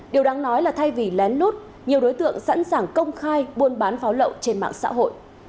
điều đáng nói là thay vì lén lút nhiều đối tượng sẵn sàng công khai buôn bán pháo lậu trên mạng xã hội